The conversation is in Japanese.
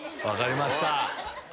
分かりました。